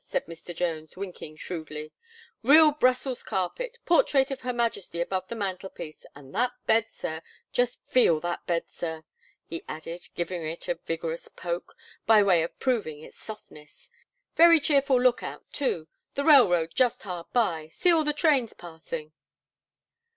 said Mr. Jones, winking shrewdly; "real Brussels carpet; portrait of Her Majesty above the mantel piece; and that bed, Sir just feel that bed, Sir," he added, giving it a vigorous poke, by way of proving its softness; "very cheerful look out, too; the railroad just hard by see all the trains passing."